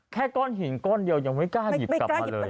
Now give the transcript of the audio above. แค่ก้อนหินก้อนเดียวยังไม่กล้าหยิบกลับไปเลย